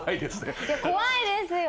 怖いですよ。